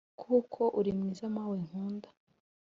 kuko uri mwiza mawe nkunda.